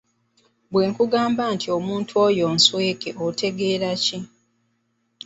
Bwe nkugamba nti omuntu oyo nswenke otegeera ki?